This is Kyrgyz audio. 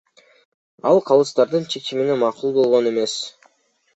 Ал калыстардын чечимине макул болгон эмес.